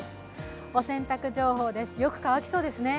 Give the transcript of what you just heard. お洗濯情報です、よく乾きそうですね。